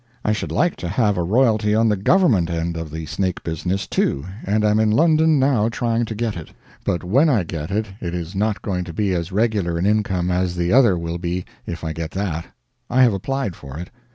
I should like to have a royalty on the government end of the snake business, too, and am in London now trying to get it; but when I get it it is not going to be as regular an income as the other will be if I get that; I have applied for it.